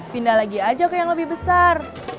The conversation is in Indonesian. pindah lagi aja ke yang lebih besar